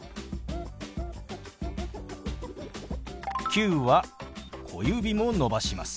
「９」は小指も伸ばします。